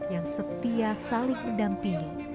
yang setia saling mendampingi